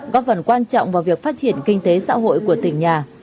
góp phần quan trọng vào việc phát triển kinh tế xã hội của tỉnh nhà